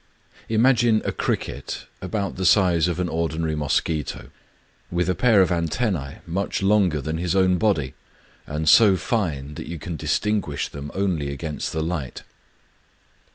Imagine a cricket about the size of an ordinary mosquito, — with a pair of antennae much longer than his own body, and so fine that you can distinguish them only against the light.